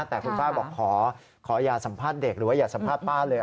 แต่คุณป้าบอกขออย่าสัมภาษณ์เด็กหรือว่าอย่าสัมภาษณ์ป้าเลย